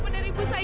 beri ibu saya